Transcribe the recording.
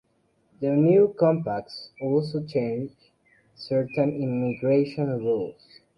The new Compacts also changed certain immigration rules.